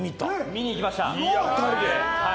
見に行きました。